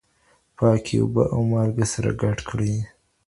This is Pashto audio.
پاکې اوبه او مالګه سره ګډ کړئ.